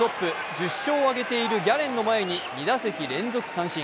１０勝を挙げているギャレンの前に２打席連続三振。